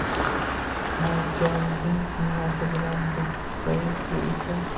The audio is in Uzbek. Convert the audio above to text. Marjonding siynasi bilan bo‘ksasi esa